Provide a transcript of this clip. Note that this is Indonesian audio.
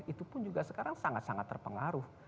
itu pun juga sekarang sangat sangat terpengaruh